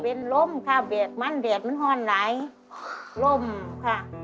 เป็นลมค่ะเบียดมันเบียดมันห้อนไหลลมค่ะ